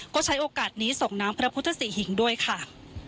ก็ใช้โอกาสนี้ส่งน้ำพระพุทธศรีหิงด้วยค่ะ